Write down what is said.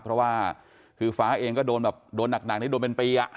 เพราะว่าคือฟ้าเองก็โดนแบบโดนหนักนี่โดนเป็นปีอ่ะ